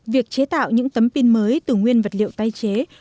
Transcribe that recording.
việc chế tạo những tấm pin mới từ nguyên vật liệu tái chế